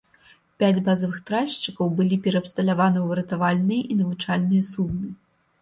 Пяць базавых тральшчыкаў былі пераабсталяваны ў выратавальныя і навучальныя судны.